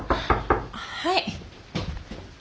はい。